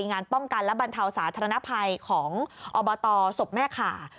งานป้องกันและบรรเทาสาธารณภัยของอบตศพแม่ขา